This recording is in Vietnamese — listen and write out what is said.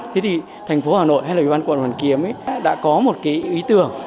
thế thì thành phố hà nội hay là văn quận hoàn kiếm đã có một cái ý tưởng